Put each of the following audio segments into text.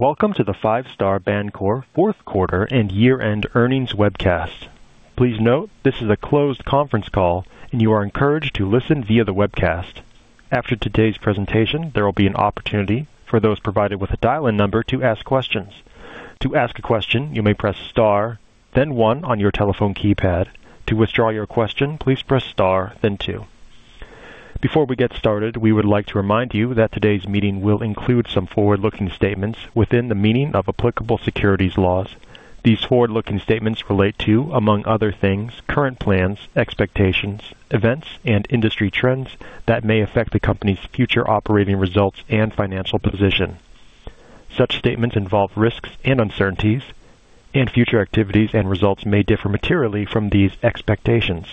Welcome to the Five Star Bancorp Fourth Quarter and Year-End Earnings webcast. Please note this is a closed conference call, and you are encouraged to listen via the webcast. After today's presentation, there will be an opportunity for those provided with a dial-in number to ask questions. To ask a question, you may press star, then one on your telephone keypad. To withdraw your question, please press star, then two. Before we get started, we would like to remind you that today's meeting will include some forward-looking statements within the meaning of applicable securities laws. These forward-looking statements relate to, among other things, current plans, expectations, events, and industry trends that may affect the company's future operating results and financial position. Such statements involve risks and uncertainties, and future activities and results may differ materially from these expectations.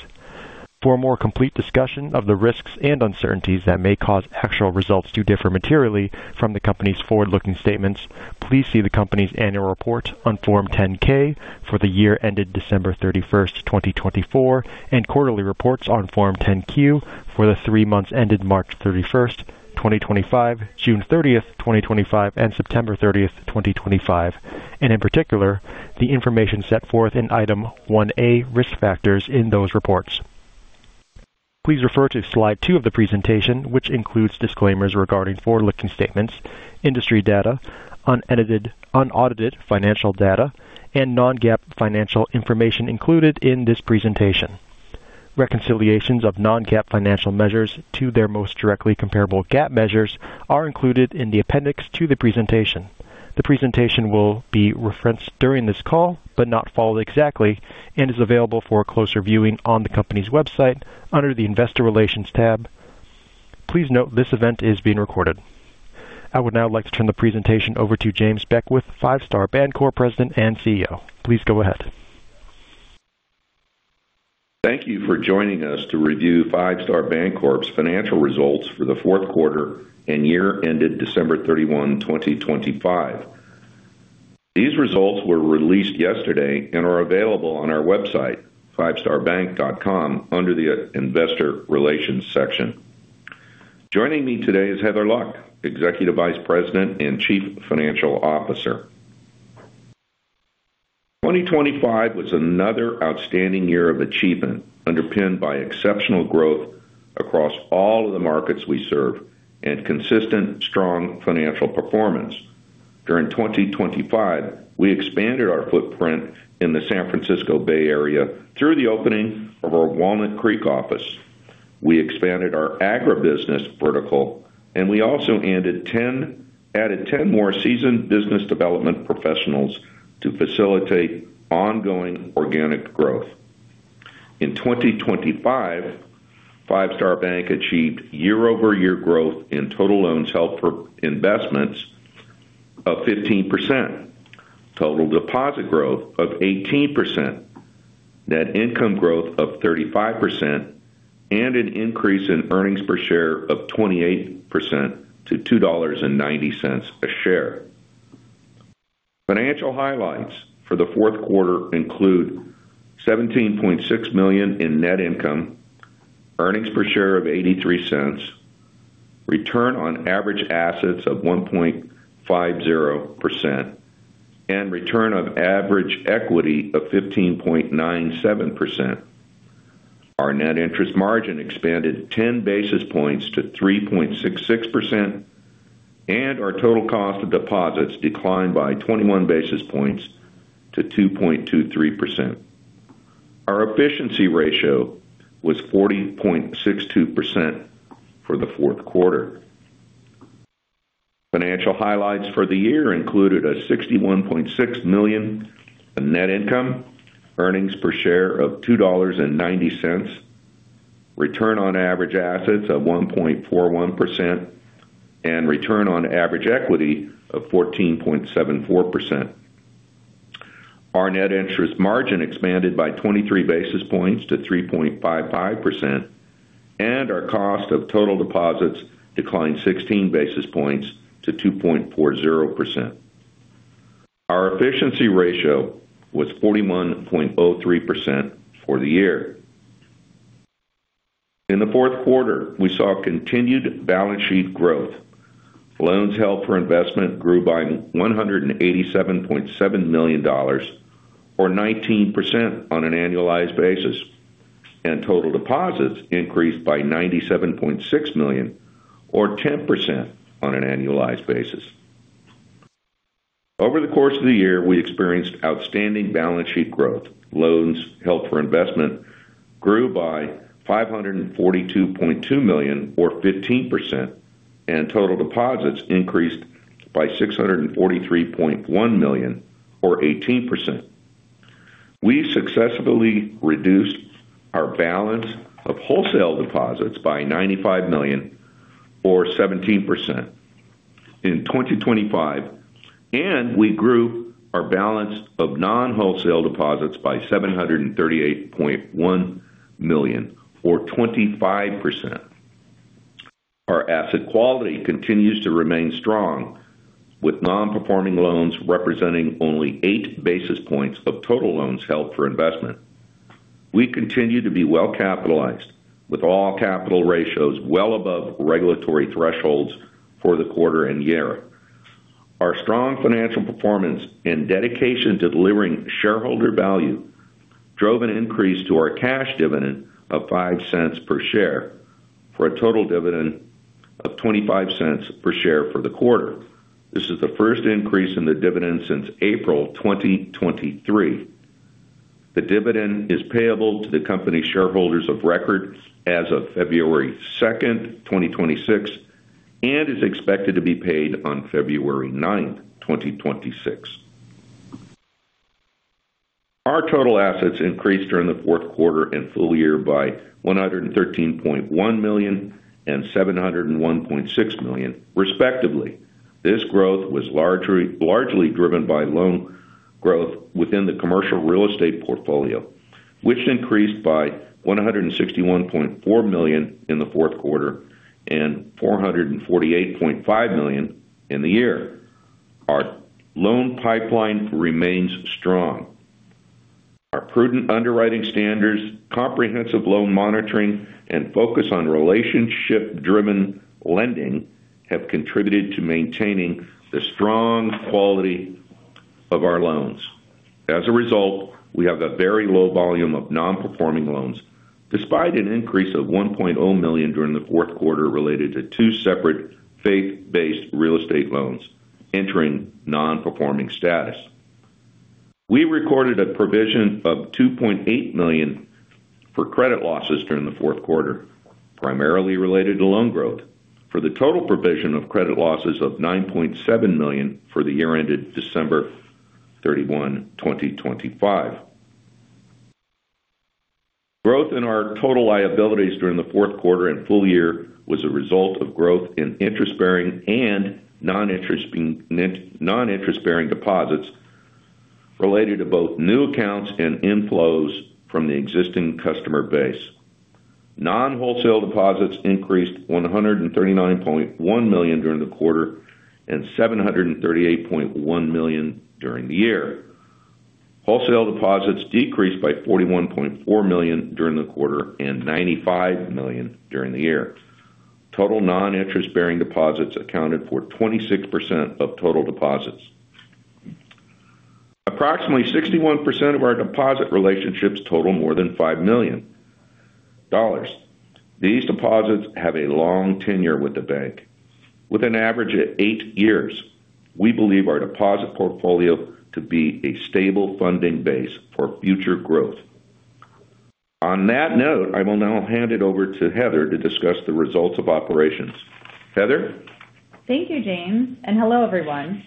For a more complete discussion of the risks and uncertainties that may cause actual results to differ materially from the company's forward-looking statements, please see the company's annual report on Form 10-K for the year ended December 31st, 2024, and quarterly reports on Form 10-Q for the three months ended March 31st, 2025, June 30th, 2025, and September 30th, 2025, and in particular, the information set forth in Item 1A, Risk Factors in those reports. Please refer to slide two of the presentation, which includes disclaimers regarding forward-looking statements, industry data, unaudited financial data, and non-GAAP financial information included in this presentation. Reconciliations of non-GAAP financial measures to their most directly comparable GAAP measures are included in the appendix to the presentation. The presentation will be referenced during this call but not followed exactly and is available for closer viewing on the company's website under the Investor Relations tab. Please note this event is being recorded. I would now like to turn the presentation over to James Beckwith, Five Star Bancorp President and CEO. Please go ahead. Thank you for joining us to review Five Star Bancorp's financial results for the fourth quarter and year ended December 31, 2025. These results were released yesterday and are available on our website, fivestarbank.com, under the Investor Relations section. Joining me today is Heather Luck, Executive Vice President and Chief Financial Officer. 2025 was another outstanding year of achievement, underpinned by exceptional growth across all of the markets we serve and consistent, strong financial performance. During 2025, we expanded our footprint in the San Francisco Bay Area through the opening of our Walnut Creek office. We expanded our agribusiness vertical, and we also added 10 more seasoned business development professionals to facilitate ongoing organic growth. In 2025, Five Star Bancorp achieved year-over-year growth in total loans held for investments of 15%, total deposit growth of 18%, net income growth of 35%, and an increase in earnings per share of 28% to $2.90 a share. Financial highlights for the fourth quarter include $17.6 million in net income, earnings per share of $0.83, return on average assets of 1.50%, and return on average equity of 15.97%. Our net interest margin expanded 10 basis points to 3.66%, and our total cost of deposits declined by 21 basis points to 2.23%. Our efficiency ratio was 40.62% for the fourth quarter. Financial highlights for the year included a $61.6 million net income, earnings per share of $2.90, return on average assets of 1.41%, and return on average equity of 14.74%. Our net interest margin expanded by 23 basis points to 3.55%, and our cost of total deposits declined 16 basis points to 2.40%. Our efficiency ratio was 41.03% for the year. In the fourth quarter, we saw continued balance sheet growth. Loans held for investment grew by $187.7 million, or 19% on an annualized basis, and total deposits increased by $97.6 million, or 10% on an annualized basis. Over the course of the year, we experienced outstanding balance sheet growth. Loans held for investment grew by $542.2 million, or 15%, and total deposits increased by $643.1 million, or 18%. We successfully reduced our balance of wholesale deposits by $95 million, or 17%, in 2025, and we grew our balance of non-wholesale deposits by $738.1 million, or 25%. Our asset quality continues to remain strong, with non-performing loans representing only 8 basis points of total loans held for investment. We continue to be well-capitalized, with all capital ratios well above regulatory thresholds for the quarter and year. Our strong financial performance and dedication to delivering shareholder value drove an increase to our cash dividend of $0.05 per share for a total dividend of $0.25 per share for the quarter. This is the first increase in the dividend since April 2023. The dividend is payable to the company shareholders of record as of February 2nd, 2026, and is expected to be paid on February 9th, 2026. Our total assets increased during the fourth quarter and full year by $113.1 million and $701.6 million, respectively. This growth was largely driven by loan growth within the commercial real estate portfolio, which increased by $161.4 million in the fourth quarter and $448.5 million in the year. Our loan pipeline remains strong. Our prudent underwriting standards, comprehensive loan monitoring, and focus on relationship-driven lending have contributed to maintaining the strong quality of our loans. As a result, we have a very low volume of non-performing loans, despite an increase of $1.0 million during the fourth quarter related to two separate faith-based real estate loans entering non-performing status. We recorded a provision of $2.8 million for credit losses during the fourth quarter, primarily related to loan growth, for the total provision of credit losses of $9.7 million for the year ended December 31, 2025. Growth in our total liabilities during the fourth quarter and full year was a result of growth in interest-bearing and non-interest-bearing deposits related to both new accounts and inflows from the existing customer base. Non-wholesale deposits increased $139.1 million during the quarter and $738.1 million during the year. Wholesale deposits decreased by $41.4 million during the quarter and $95 million during the year. Total non-interest-bearing deposits accounted for 26% of total deposits. Approximately 61% of our deposit relationships total more than $5 million. These deposits have a long tenure with the bank. With an average of eight years, we believe our deposit portfolio to be a stable funding base for future growth. On that note, I will now hand it over to Heather to discuss the results of operations. Heather. Thank you, James. And hello, everyone.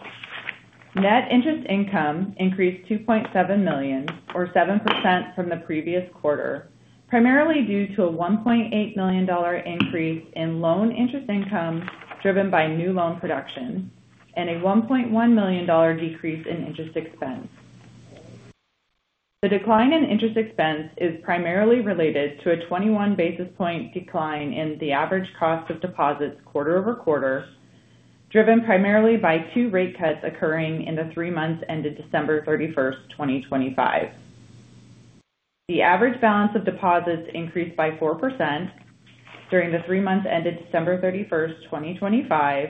Net interest income increased $2.7 million, or 7% from the previous quarter, primarily due to a $1.8 million increase in loan interest income driven by new loan production and a $1.1 million decrease in interest expense. The decline in interest expense is primarily related to a 21 basis point decline in the average cost of deposits quarter-over-quarter, driven primarily by two rate cuts occurring in the three months ended December 31st, 2025. The average balance of deposits increased by 4% during the three months ended December 31st, 2025,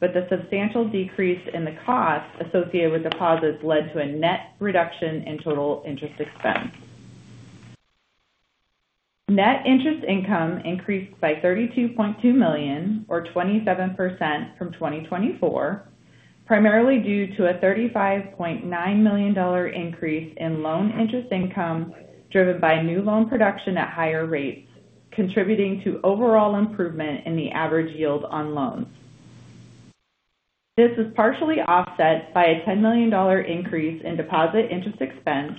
but the substantial decrease in the cost associated with deposits led to a net reduction in total interest expense. Net interest income increased by $32.2 million, or 27% from 2024, primarily due to a $35.9 million increase in loan interest income driven by new loan production at higher rates, contributing to overall improvement in the average yield on loans. This was partially offset by a $10 million increase in deposit interest expense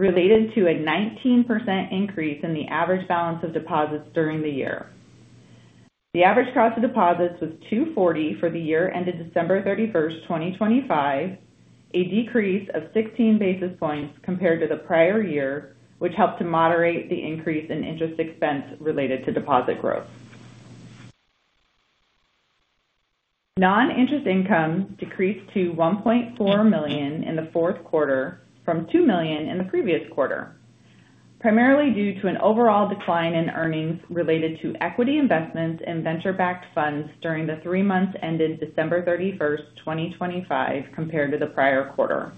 related to a 19% increase in the average balance of deposits during the year. The average cost of deposits was $2.40 for the year ended December 31st, 2025, a decrease of 16 basis points compared to the prior year, which helped to moderate the increase in interest expense related to deposit growth. Non-interest income decreased to $1.4 million in the fourth quarter from $2 million in the previous quarter, primarily due to an overall decline in earnings related to equity investments and venture-backed funds during the three months ended December 31st, 2025, compared to the prior quarter.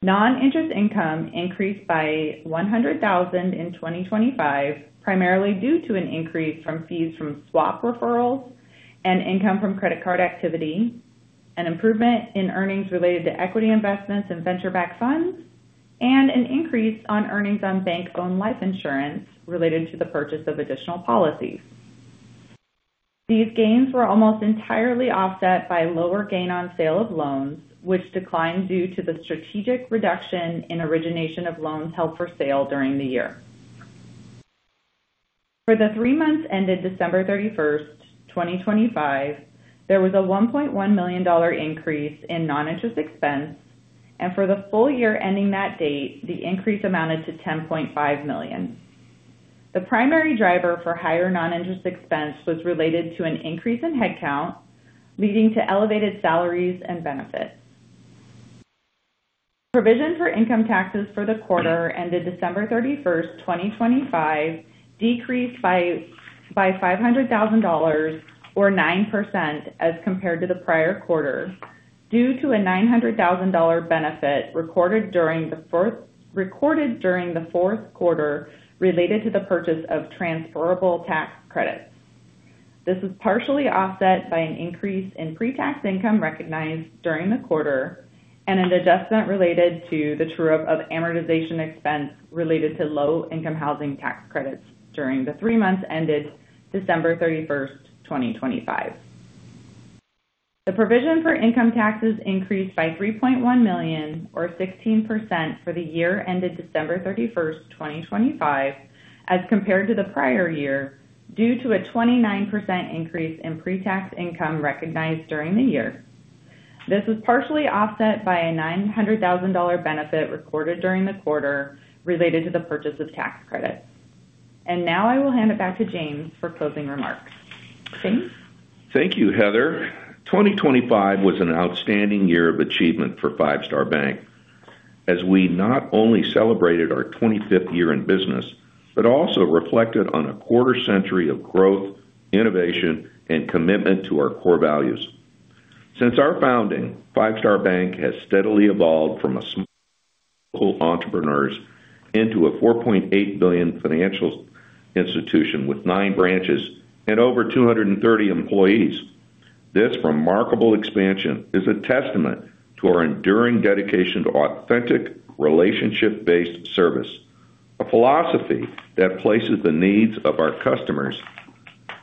Non-interest income increased by $100,000 in 2025, primarily due to an increase from fees from swap referrals and income from credit card activity, an improvement in earnings related to equity investments and venture-backed funds, and an increase on earnings on bank-owned life insurance related to the purchase of additional policies. These gains were almost entirely offset by lower gain on sale of loans, which declined due to the strategic reduction in origination of loans held for sale during the year. For the three months ended December 31st, 2025, there was a $1.1 million increase in non-interest expense, and for the full year ending that date, the increase amounted to $10.5 million. The primary driver for higher non-interest expense was related to an increase in headcount, leading to elevated salaries and benefits. Provision for income taxes for the quarter ended December 31st, 2025, decreased by $500,000, or 9%, as compared to the prior quarter, due to a $900,000 benefit recorded during the fourth quarter related to the purchase of transferable tax credits. This was partially offset by an increase in pre-tax income recognized during the quarter and an adjustment related to the true-up of amortization expense related to low-income housing tax credits during the three months ended December 31st, 2025. The provision for income taxes increased by $3.1 million, or 16%, for the year ended December 31st, 2025, as compared to the prior year, due to a 29% increase in pre-tax income recognized during the year. This was partially offset by a $900,000 benefit recorded during the quarter related to the purchase of tax credits. Now I will hand it back to James for closing remarks. James. Thank you, Heather. 2025 was an outstanding year of achievement for Five Star Bancorp, as we not only celebrated our 25th year in business but also reflected on a quarter century of growth, innovation, and commitment to our core values. Since our founding, Five Star Bancorp has steadily evolved from a small group of entrepreneurs into a $4.8 billion financial institution with 9 branches and over 230 employees. This remarkable expansion is a testament to our enduring dedication to authentic, relationship-based service, a philosophy that places the needs of our customers,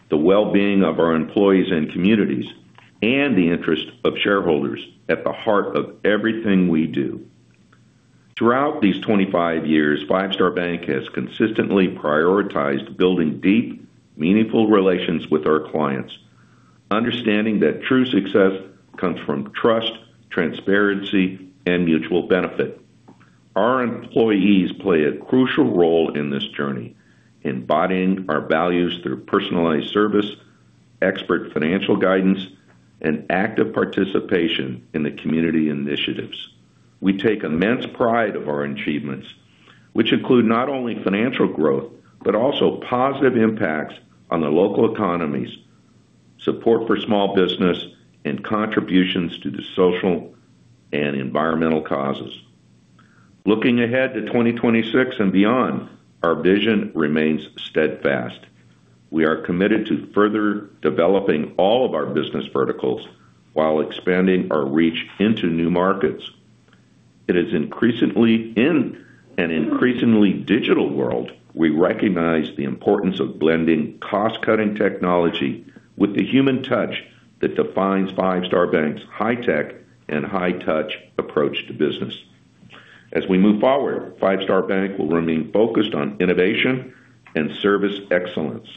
the well-being of our employees and communities, and the interest of shareholders at the heart of everything we do. Throughout these 25 years, Five Star Bancorp has consistently prioritized building deep, meaningful relations with our clients, understanding that true success comes from trust, transparency, and mutual benefit. Our employees play a crucial role in this journey, embodying our values through personalized service, expert financial guidance, and active participation in the community initiatives. We take immense pride in our achievements, which include not only financial growth but also positive impacts on the local economies, support for small business, and contributions to the social and environmental causes. Looking ahead to 2026 and beyond, our vision remains steadfast. We are committed to further developing all of our business verticals while expanding our reach into new markets. In an increasingly digital world, we recognize the importance of blending cost-cutting technology with the human touch that defines Five Star Bancorp's high-tech and high-touch approach to business. As we move forward, Five Star Bancorp will remain focused on innovation and service excellence.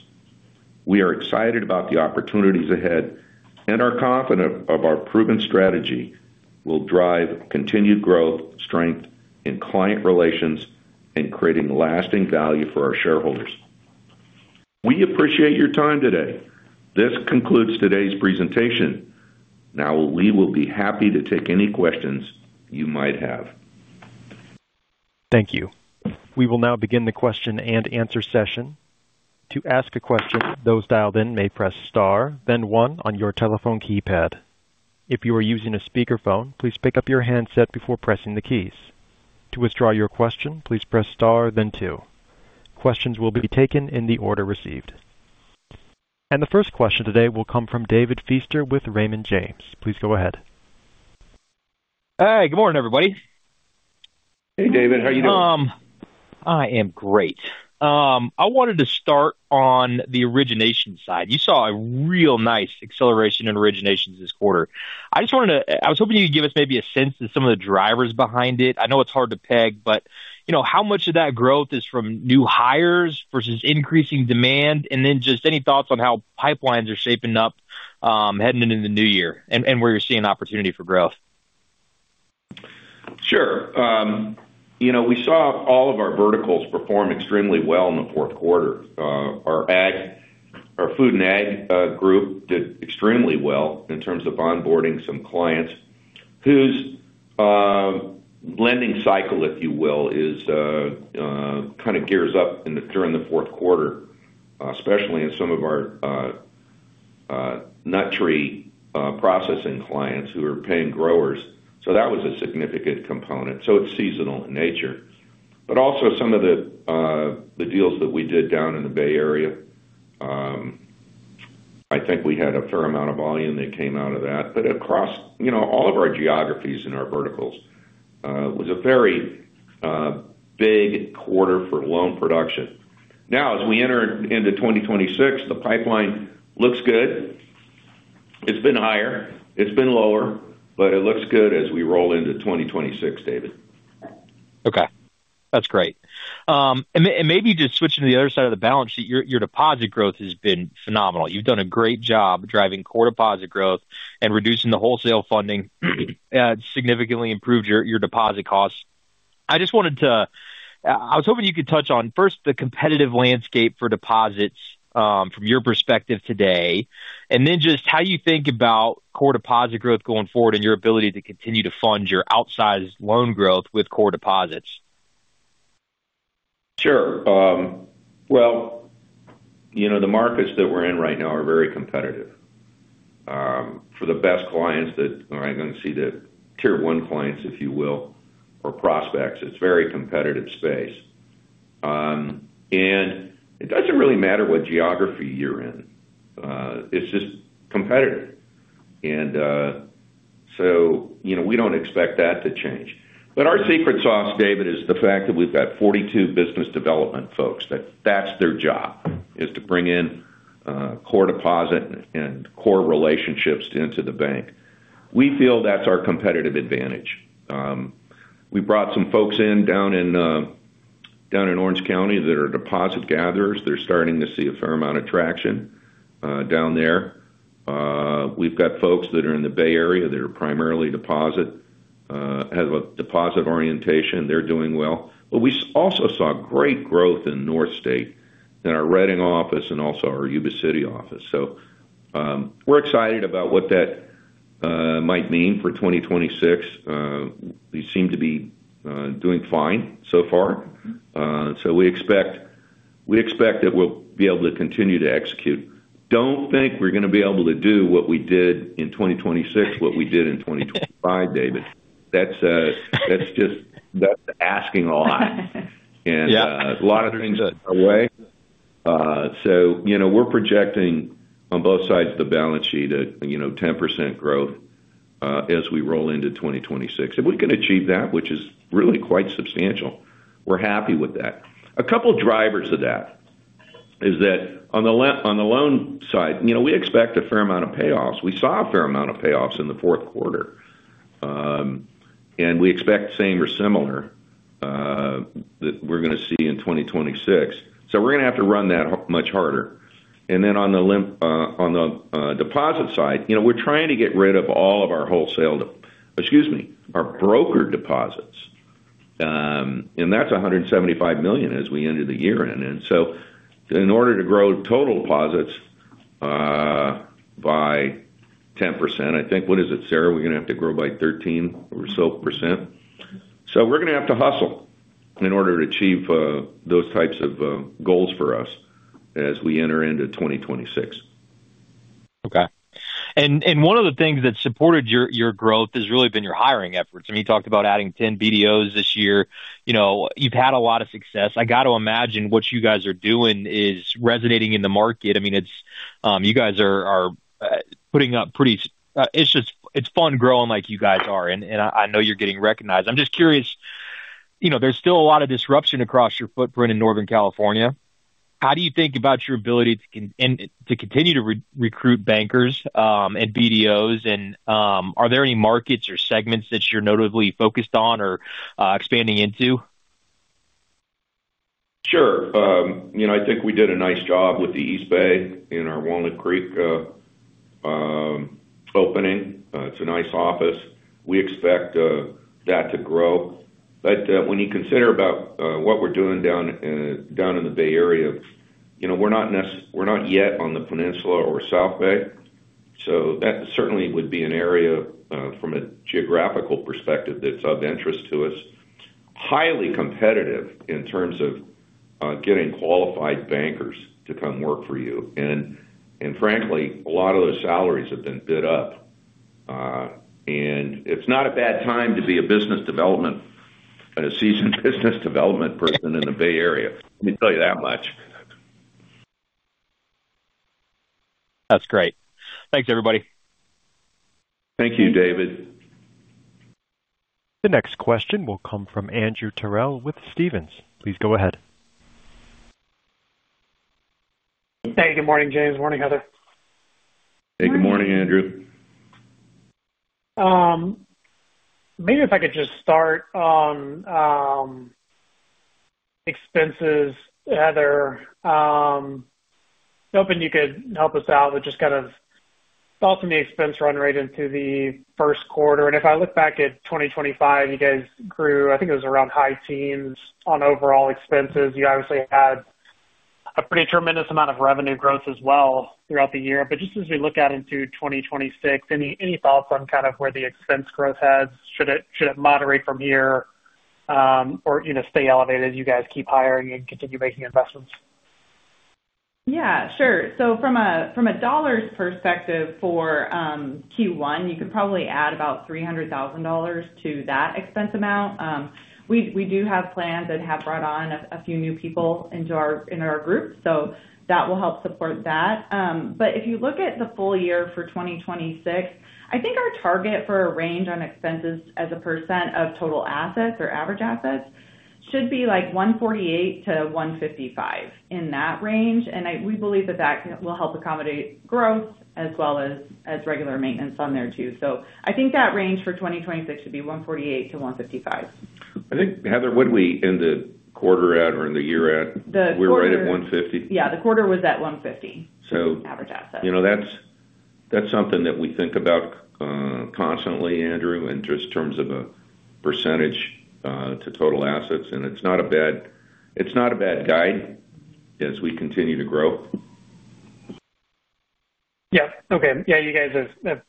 We are excited about the opportunities ahead, and our confidence of our proven strategy will drive continued growth, strength, and client relations, and creating lasting value for our shareholders. We appreciate your time today. This concludes today's presentation. Now, we will be happy to take any questions you might have. Thank you. We will now begin the question-and-answer session. To ask a question, those dialed in may press Star, then 1 on your telephone keypad. If you are using a speakerphone, please pick up your handset before pressing the keys. To withdraw your question, please press Star, then 2. Questions will be taken in the order received. And the first question today will come from David Feaster with Raymond James. Please go ahead. Hey, good morning, everybody. Hey, David. How are you doing? I am great. I wanted to start on the origination side. You saw a real nice acceleration in originations this quarter. I just wanted to, I was hoping you could give us maybe a sense of some of the drivers behind it. I know it's hard to peg, but how much of that growth is from new hires versus increasing demand? And then just any thoughts on how pipelines are shaping up heading into the new year and where you're seeing opportunity for growth? Sure. We saw all of our verticals perform extremely well in the fourth quarter. Our food and ag group did extremely well in terms of onboarding some clients whose lending cycle, if you will, kind of gears up during the fourth quarter, especially in some of our nut tree processing clients who are paying growers. So that was a significant component. So it's seasonal in nature. But also some of the deals that we did down in the Bay Area, I think we had a fair amount of volume that came out of that. But across all of our geographies and our verticals, it was a very big quarter for loan production. Now, as we enter into 2026, the pipeline looks good. It's been higher. It's been lower, but it looks good as we roll into 2026, David. Okay. That's great. And maybe just switching to the other side of the balance sheet, your deposit growth has been phenomenal. You've done a great job driving core deposit growth and reducing the wholesale funding. It's significantly improved your deposit costs. I just wanted to, I was hoping you could touch on, first, the competitive landscape for deposits from your perspective today, and then just how you think about core deposit growth going forward and your ability to continue to fund your outsized loan growth with core deposits. Sure. Well, the markets that we're in right now are very competitive. For the best clients that are going to see the tier-one clients, if you will, or prospects, it's a very competitive space. And it doesn't really matter what geography you're in. It's just competitive. And so we don't expect that to change. But our secret sauce, David, is the fact that we've got 42 business development folks. That's their job, is to bring in core deposit and core relationships into the bank. We feel that's our competitive advantage. We brought some folks in down in Orange County that are deposit gatherers. They're starting to see a fair amount of traction down there. We've got folks that are in the Bay Area that are primarily deposit, have a deposit orientation. They're doing well. But we also saw great growth in North State in our Redding office and also our Yuba City office. So we're excited about what that might mean for 2026. We seem to be doing fine so far. So we expect that we'll be able to continue to execute. Don't think we're going to be able to do what we did in 2026, what we did in 2025, David. That's just asking a lot. And a lot of things are away. So we're projecting on both sides of the balance sheet at 10% growth as we roll into 2026. If we can achieve that, which is really quite substantial, we're happy with that. A couple of drivers of that is that on the loan side, we expect a fair amount of payoffs. We saw a fair amount of payoffs in the fourth quarter. We expect the same or similar that we're going to see in 2026. So we're going to have to run that much harder. And then on the deposit side, we're trying to get rid of all of our wholesale, excuse me, our brokered deposits. And that's $175 million as we ended the year in. And so in order to grow total deposits by 10%, I think, what is it, Sarah? We're going to have to grow by 13% or so. So we're going to have to hustle in order to achieve those types of goals for us as we enter into 2026. Okay. And one of the things that supported your growth has really been your hiring efforts. I mean, you talked about adding 10 BDOs this year. You've had a lot of success. I got to imagine what you guys are doing is resonating in the market. I mean, you guys are putting up pretty, it's fun growing like you guys are. And I know you're getting recognized. I'm just curious. There's still a lot of disruption across your footprint in Northern California. How do you think about your ability to continue to recruit bankers and BDOs? And are there any markets or segments that you're notably focused on or expanding into? Sure. I think we did a nice job with the East Bay in our Walnut Creek opening. It's a nice office. We expect that to grow. But when you consider about what we're doing down in the Bay Area, we're not yet on the Peninsula or South Bay. So that certainly would be an area from a geographical perspective that's of interest to us. Highly competitive in terms of getting qualified bankers to come work for you. And frankly, a lot of those salaries have been bid up. And it's not a bad time to be a business development, a seasoned business development person in the Bay Area. Let me tell you that much. That's great. Thanks, everybody. Thank you, David. The next question will come from Andrew Terrell with Stephens. Please go ahead. Hey, good morning, James. Morning, Heather. Hey, good morning, Andrew. Maybe if I could just start on expenses, Heather. I'm hoping you could help us out with just kind of thoughts on the expense run rate into the first quarter. And if I look back at 2025, you guys grew, I think it was around high teens on overall expenses. You obviously had a pretty tremendous amount of revenue growth as well throughout the year. But just as we look out into 2026, any thoughts on kind of where the expense growth heads? Should it moderate from here or stay elevated as you guys keep hiring and continue making investments? Yeah, sure. So from a dollars perspective for Q1, you could probably add about $300,000 to that expense amount. We do have plans and have brought on a few new people into our group, so that will help support that. But if you look at the full year for 2026, I think our target for a range on expenses as a percent of total assets or average assets should be like 1.48%-1.55% in that range. And we believe that that will help accommodate growth as well as regular maintenance on there too. So I think that range for 2026 should be 1.48%-1.55%. I think, Heather, what did we end the quarter at or end the year at? We were right at 1.50%? Yeah, the quarter was at 1.50% average assets. That's something that we think about constantly, Andrew, in terms of a percentage to total assets. It's not a bad guide as we continue to grow. Yeah. Okay. Yeah, you guys have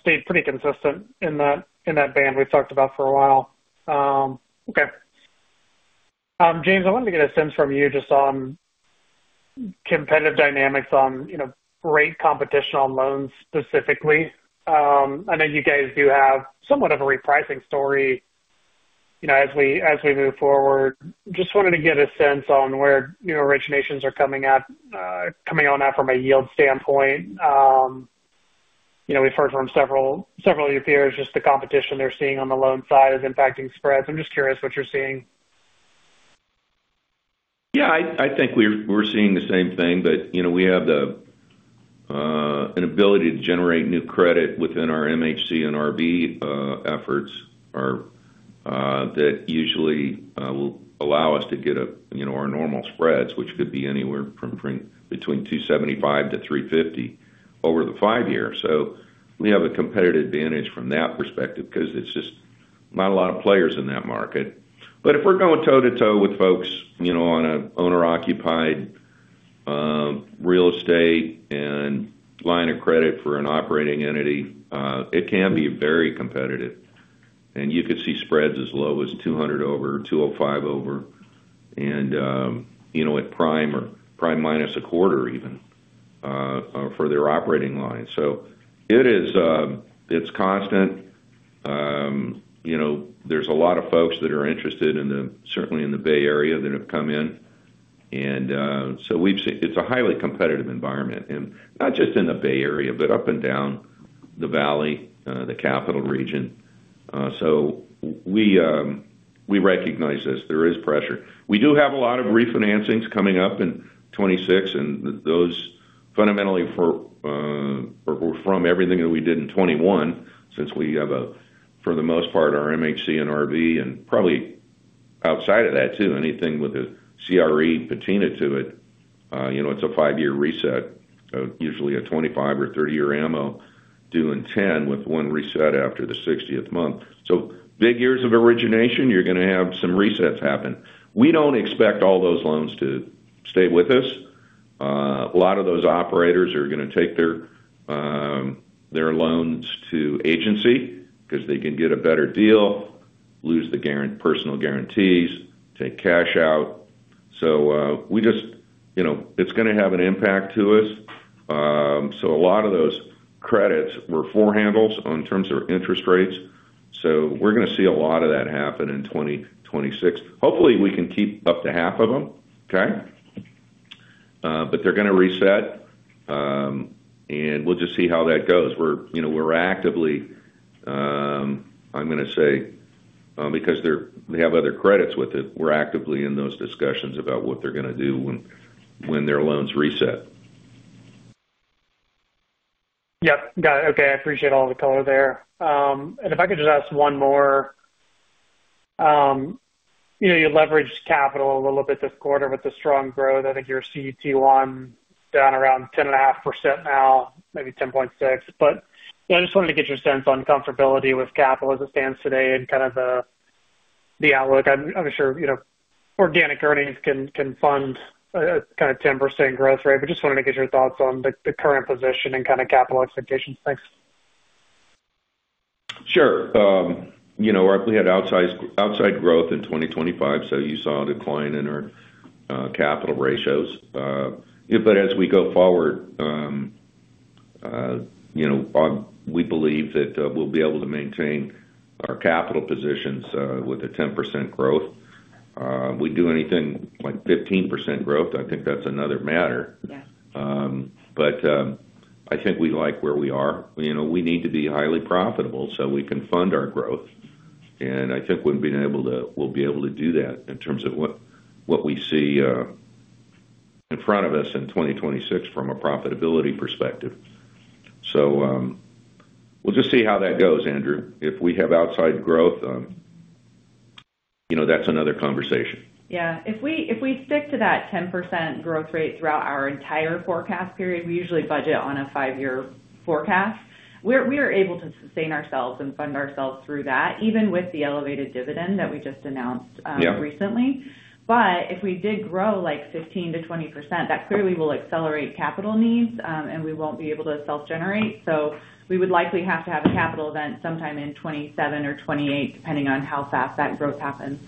stayed pretty consistent in that band we've talked about for a while. Okay. James, I wanted to get a sense from you just on competitive dynamics on rate competition on loans specifically. I know you guys do have somewhat of a repricing story as we move forward. Just wanted to get a sense on where originations are coming out from a yield standpoint. We've heard from several of your peers just the competition they're seeing on the loan side is impacting spreads. I'm just curious what you're seeing. Yeah, I think we're seeing the same thing, that we have an ability to generate new credit within our MHC and RV efforts that usually will allow us to get our normal spreads, which could be anywhere between 275-350 over the five years. So we have a competitive advantage from that perspective because it's just not a lot of players in that market. But if we're going toe-to-toe with folks on an owner-occupied real estate and line of credit for an operating entity, it can be very competitive. And you could see spreads as low as 200 over, 205 over, and at prime or prime minus a quarter even for their operating line. So it's constant. There's a lot of folks that are interested in the, certainly in the Bay Area, that have come in. So it's a highly competitive environment, not just in the Bay Area, but up and down the valley, the Capital Region. We recognize this. There is pressure. We do have a lot of refinancings coming up in 2026. Those fundamentally were from everything that we did in 2021 since we have, for the most part, our MHC and RV and probably outside of that too, anything with a CRE patina to it. It's a 5-year reset, usually a 25- or 30-year amortization due in 10 with one reset after the 60th month. Big years of origination, you're going to have some resets happen. We don't expect all those loans to stay with us. A lot of those operators are going to take their loans to agency because they can get a better deal, lose the personal guarantees, take cash out. So it's going to have an impact to us. So a lot of those credits were four-handles in terms of interest rates. So we're going to see a lot of that happen in 2026. Hopefully, we can keep up to half of them, okay? But they're going to reset. And we'll just see how that goes. We're actively, I'm going to say, because they have other credits with it, we're actively in those discussions about what they're going to do when their loans reset. Yep. Got it. Okay. I appreciate all the color there. And if I could just ask one more. You leveraged capital a little bit this quarter with the strong growth. I think your CET1 down around 10.5% now, maybe 10.6%. But I just wanted to get your sense on comfortability with capital as it stands today and kind of the outlook. I'm sure organic earnings can fund a kind of 10% growth rate. But just wanted to get your thoughts on the current position and kind of capital expectations. Thanks. Sure. We had outside growth in 2025, so you saw a decline in our capital ratios. But as we go forward, we believe that we'll be able to maintain our capital positions with a 10% growth. We'd do anything like 15% growth. I think that's another matter. But I think we like where we are. We need to be highly profitable so we can fund our growth. And I think we'll be able to do that in terms of what we see in front of us in 2026 from a profitability perspective. So we'll just see how that goes, Andrew. If we have outside growth, that's another conversation. Yeah. If we stick to that 10% growth rate throughout our entire forecast period, we usually budget on a five-year forecast, we are able to sustain ourselves and fund ourselves through that, even with the elevated dividend that we just announced recently. But if we did grow like 15%-20%, that clearly will accelerate capital needs, and we won't be able to self-generate. So we would likely have to have a capital event sometime in 2027 or 2028, depending on how fast that growth happens.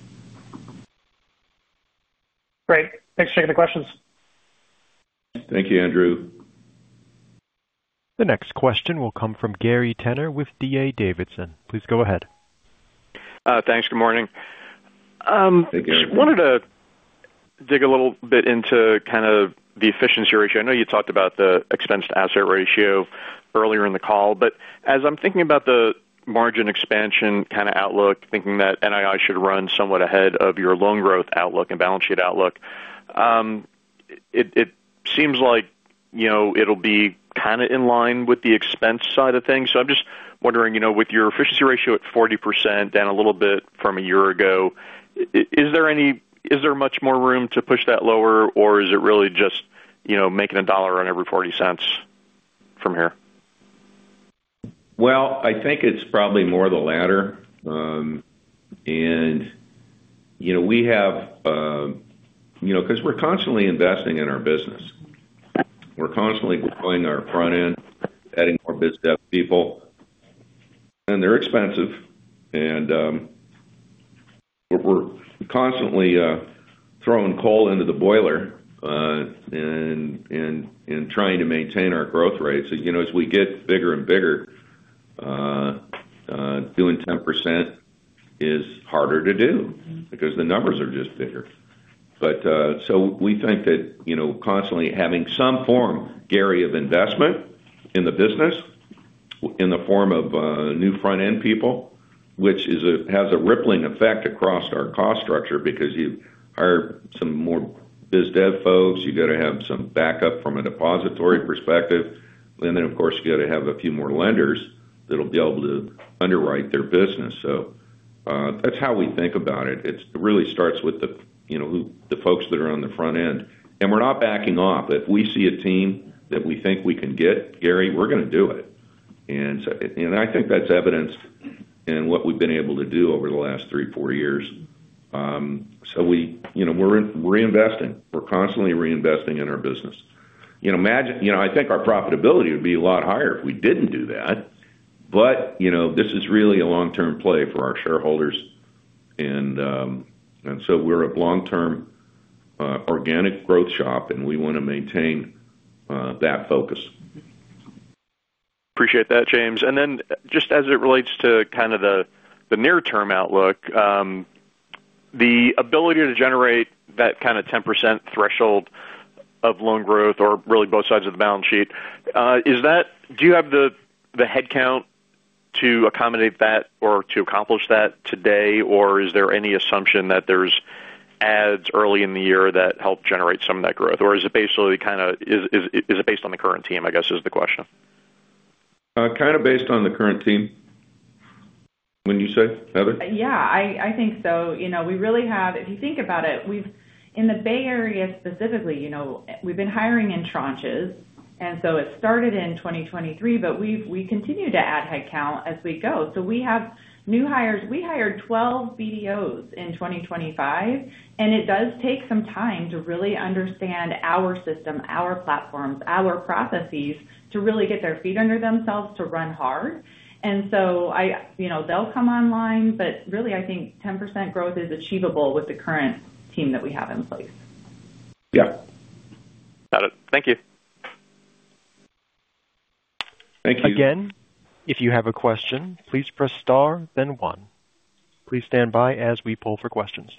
Great. Thanks for taking the questions. Thank you, Andrew. The next question will come from Gary Tenner with D.A. Davidson. Please go ahead. Thanks. Good morning. Thank you, Andrew. Wanted to dig a little bit into kind of the efficiency ratio. I know you talked about the expense-to-asset ratio earlier in the call. But as I'm thinking about the margin expansion kind of outlook, thinking that NII should run somewhat ahead of your loan growth outlook and balance sheet outlook, it seems like it'll be kind of in line with the expense side of things. So I'm just wondering, with your efficiency ratio at 40% down a little bit from a year ago, is there much more room to push that lower, or is it really just making a dollar on every $0.40 from here? Well, I think it's probably more the latter. And we have because we're constantly investing in our business. We're constantly growing our front end, adding more business staff people. And they're expensive. And we're constantly throwing coal into the boiler and trying to maintain our growth rates. As we get bigger and bigger, doing 10% is harder to do because the numbers are just bigger. So we think that constantly having some form, Gary, of investment in the business in the form of new front-end people, which has a rippling effect across our cost structure because you hire some more biz dev folks. You got to have some backup from a depository perspective. And then, of course, you got to have a few more lenders that'll be able to underwrite their business. So that's how we think about it. It really starts with the folks that are on the front end. And we're not backing off. If we see a team that we think we can get, Gary, we're going to do it. And I think that's evidenced in what we've been able to do over the last 3-4 years. So we're reinvesting. We're constantly reinvesting in our business. I think our profitability would be a lot higher if we didn't do that. But this is really a long-term play for our shareholders. And so we're a long-term organic growth shop, and we want to maintain that focus. Appreciate that, James. And then just as it relates to kind of the near-term outlook, the ability to generate that kind of 10% threshold of loan growth or really both sides of the balance sheet, do you have the headcount to accommodate that or to accomplish that today? Or is there any assumption that there's adds early in the year that help generate some of that growth? Or is it basically kind of is it based on the current team, I guess, is the question? Kind of based on the current team, wouldn't you say, Heather? Yeah, I think so. We really have, if you think about it, in the Bay Area specifically, we've been hiring in tranches. And so it started in 2023, but we continue to add headcount as we go. So we have new hires. We hired 12 BDOs in 2025. And it does take some time to really understand our system, our platforms, our processes to really get their feet under themselves to run hard. And so they'll come online. But really, I think 10% growth is achievable with the current team that we have in place. Yeah. Got it. Thank you. Thank you. Again, if you have a question, please press star, then one. Please stand by as we pull for questions.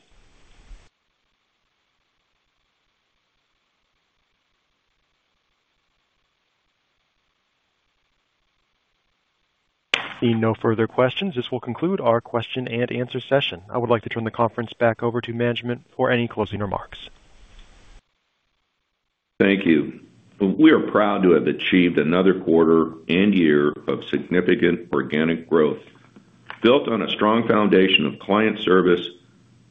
Seeing no further questions, this will conclude our question-and-answer session. I would like to turn the conference back over to management for any closing remarks. Thank you. We are proud to have achieved another quarter and year of significant organic growth built on a strong foundation of client service,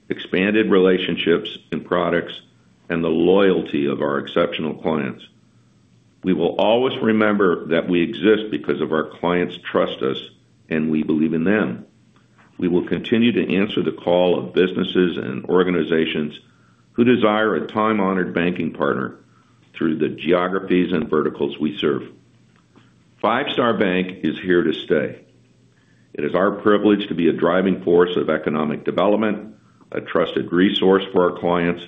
expanded relationships and products, and the loyalty of our exceptional clients. We will always remember that we exist because of our clients' trust us, and we believe in them. We will continue to answer the call of businesses and organizations who desire a time-honored banking partner through the geographies and verticals we serve. Five Star Bank is here to stay. It is our privilege to be a driving force of economic development, a trusted resource for our clients,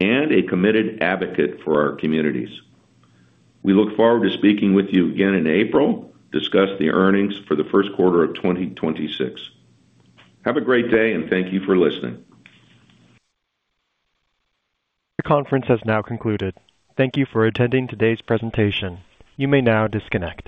and a committed advocate for our communities. We look forward to speaking with you again in April to discuss the earnings for the first quarter of 2026. Have a great day, and thank you for listening. The conference has now concluded. Thank you for attending today's presentation. You may now disconnect.